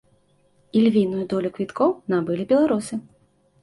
Ільвіную долю квіткоў набылі беларусы.